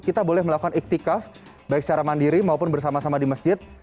kita boleh melakukan iktikaf baik secara mandiri maupun bersama sama di masjid